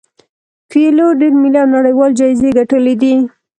کویلیو ډیر ملي او نړیوال جایزې ګټلي دي.